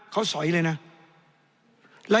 เขาสอยเลยนะ